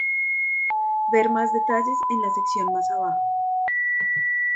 Ver más detalles en la sección más abajo.